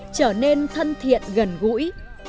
trở nên thân thiện gần gũi